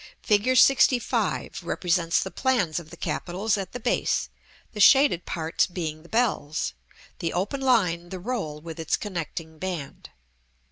Fig. LXV. represents the plans of the capitals at the base, the shaded parts being the bells: the open line, the roll with its connecting band.